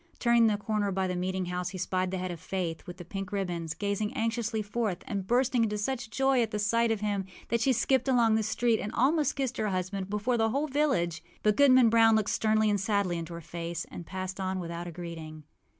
Turning the corner by the meeting house, he spied the head of Faith, with the pink ribbons, gazing anxiously forth, and bursting into such joy at sight of him that she skipped along the street and almost kissed her husband before the whole village. But Goodman Brown looked sternly and sadly into her face, and passed on without a greeting.